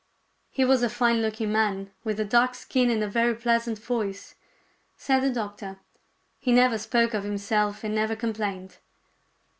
" He was a fine looking man, with a dark skin and a very pleasant voice," said the doctor. " He never spoke of himself and never complained."